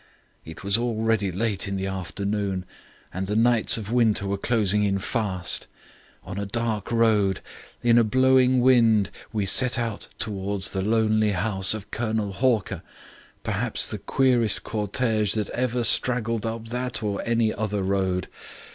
"It was already late in the afternoon, and the nights of winter were closing in fast. On a dark road, in a blowing wind, we set out towards the lonely house of Colonel Hawker, perhaps the queerest cortege that ever straggled up that or any other road.